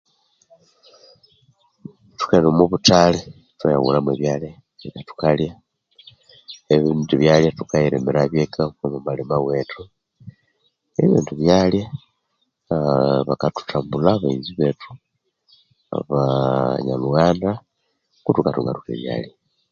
Thukaghenda omwa buthali ithwayaghulha mwe ebyalhya, ebindi byalya thukayilimirabyo eka omwa malima wethu. Ebindi byalya aa bakathuthambulha baghenzi bethu, aba nyalhughanda, kuthuka thunga thutya ebyalya.